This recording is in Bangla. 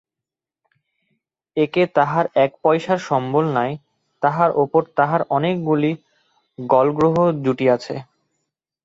একে তাহার এক পয়সার সম্বল নাই, তাহার উপর তাহার অনেক গুলি গলগ্রহ জুটিয়াছে।